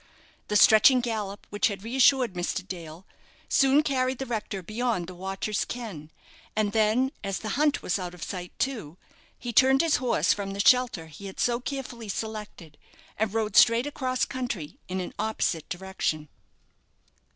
The stretching gallop which had reassured Mr. Dale soon carried the rector beyond the watcher's ken, and then, as the hunt was out of sight too, he turned his horse from the shelter he had so carefully selected, and rode straight across country in an opposite direction.